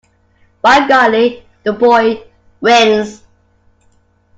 By golly, the boy wins.